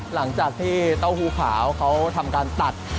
หลังจากที่เต้าหู้ขาวเขาทำการตัด